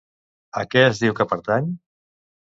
A què es diu que pertany?